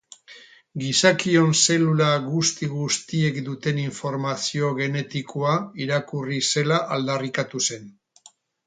Gizakion zelula guzti-guztiek duten informazio genetikoa irakurri zela aldarrikatu zen.